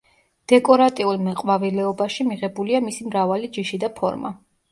დეკორატიულ მეყვავილეობაში მიღებულია მისი მრავალი ჯიში და ფორმა.